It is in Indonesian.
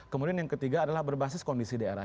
kemudian yang ketiga adalah berbasis kondisi daerah